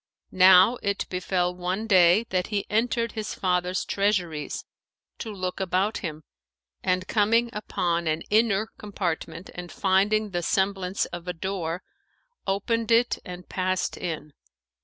Now it befell one day that he entered his father's treasuries, to look about him, and coming upon an inner compartment and finding the semblance of a door, opened it and passed in.